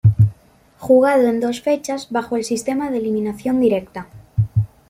Jugado en dos fechas bajo el sistema de eliminación directa.